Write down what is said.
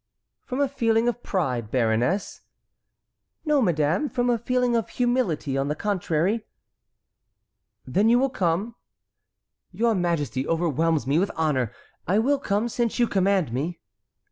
"From a feeling of pride, baroness?" "No, madame, from a feeling of humility, on the contrary." "Then you will come?" "Your majesty overwhelms me with honor. I will come, since you command me."